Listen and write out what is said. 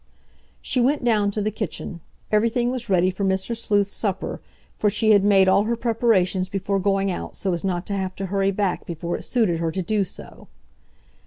... She went down to the kitchen. Everything was ready for Mr. Sleuth's supper, for she had made all her preparations before going out so as not to have to hurry back before it suited her to do so.